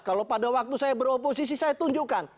kalau pada waktu saya beroposisi saya tunjukkan